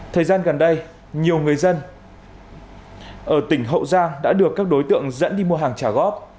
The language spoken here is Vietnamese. thời gian gần đây nhiều người dân ở tỉnh hậu giang đã được các đối tượng dẫn đi mua hàng trả góp